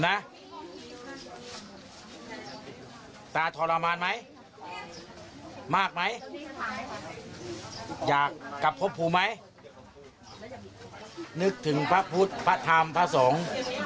นึกถึงพระพุทธพระธรรมพระสงฆ์